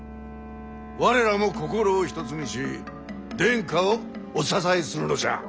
我らも心を一つにし殿下をお支えするのじゃ。